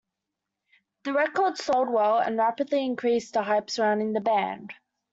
The record sold well and rapidly increased the hype surrounding the band.